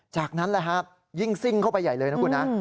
จากนั้นแหละฮะยิ่งซิ่งเข้าไปใหญ่เลยนะคุณนะ